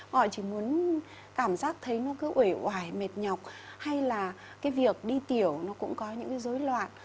họ chỉ muốn cảm giác thấy nó cứ oểi mệt nhọc hay là cái việc đi tiểu nó cũng có những cái dối loạn